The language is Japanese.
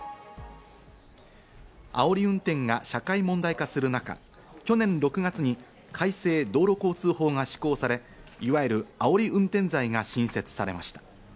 あおり運転が社会問題化する中、去年６月に改正道路交通法が施行され、いわゆるあおり運転罪が新設されました。